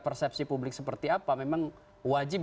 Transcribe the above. persepsi publik seperti apa memang wajib